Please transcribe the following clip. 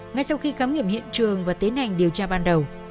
ngay sau khi khám nghiệm hiện trường và tiến hành điều tra ban đầu